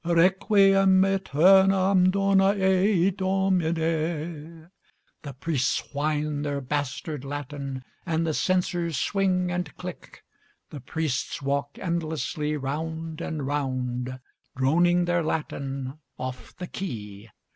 'Requiem aeternam dona ei, Domine'; The priests whine their bastard Latin And the censers swing and click. The priests walk endlessly Round and round, Droning their Latin Off the key.